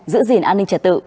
giữ gìn an ninh trẻ tự